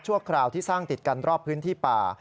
คราวที่สร้างติดกันรอบพื้นที่ป่า